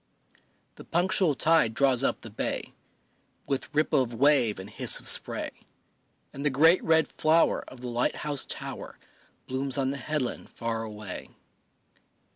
The punctual tide draws up the bay, With ripple of wave and hiss of spray, And the great red flower of the light house tower Blooms on the headland far away.